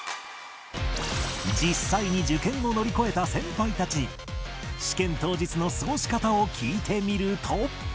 実際に受験を乗り越えた先輩たちに試験当日の過ごし方を聞いてみると